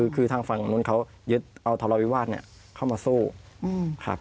คือทางฝั่งนู้นเขายึดเอาทะเลาวิวาสเข้ามาสู้ครับ